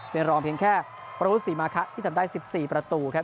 เป็นรองเพียงแค่ประวุฒิศรีมาคะที่ทำได้๑๔ประตูครับ